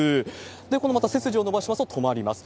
このまた背筋を伸ばしますと止まります。